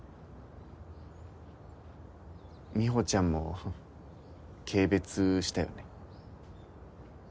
美帆ちゃんも軽蔑したよね？